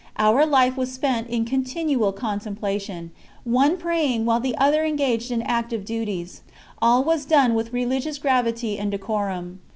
Our life was to be spent in continual contemplation, one praying while the other engaged in active duties. All was done with religious gravity and decorum.